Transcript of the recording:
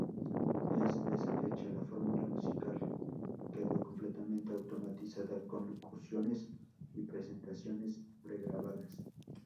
En esa fecha, la fórmula musical quedó completamente automatizada, con locuciones y presentaciones pregrabadas.